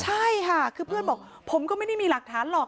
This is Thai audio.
ใช่ค่ะคือเพื่อนบอกผมก็ไม่ได้มีหลักฐานหรอก